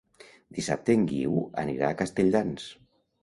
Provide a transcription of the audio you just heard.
Dissabte en Guiu anirà a Castelldans.